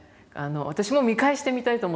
私も見返してみたいと思っています